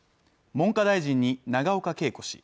文科大臣に永岡桂子氏